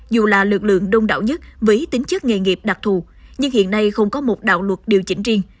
dù là lực lượng đông đảo nhất với tính chất nghề nghiệp đặc thù nhưng hiện nay không có một đạo luật điều chỉnh riêng